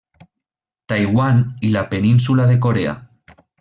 Taiwan i la península de Corea.